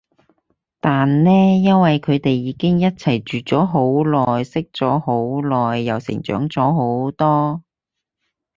但呢因為佢哋已經一齊住咗好耐，識咗好耐，又成長咗好多